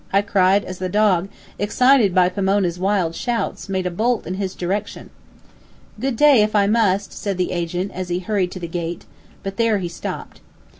I cried, as the dog, excited by Pomona's wild shouts, made a bolt in his direction. "Good day, if I must " said the agent, as he hurried to the gate. But there he stopped.